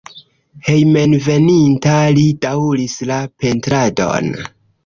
Hejmenveninta li daŭris la pentradon.